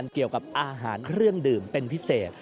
เกี่ยวกับอาหารเครื่องดื่มเป็นพิเศษ